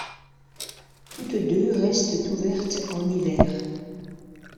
Toutes deux restent ouvertes en hiver.